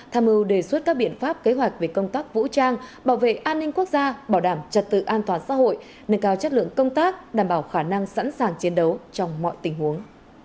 tham mưu đề xuất các biện pháp kế hoạch về công tác vũ trang bảo vệ an ninh quốc gia bảo đảm trật tự an toàn xã hội nâng cao chất lượng công tác đảm bảo khả năng sẵn sàng chiến đấu trong mọi tình huống